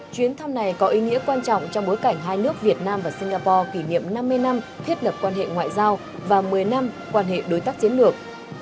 chuyến thăm này có ý nghĩa quan trọng trong bối cảnh hai nước việt nam và singapore kỷ niệm năm mươi năm thiết lập quan hệ ngoại giao và một mươi năm quan hệ đối tác chiến lược